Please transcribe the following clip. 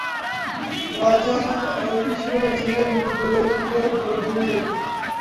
রাজা আর পিছনে না চাহিয়া দ্রুত ঘোড়ায় চড়িয়া ঘোড়া ছুটাইয়া দিলেন।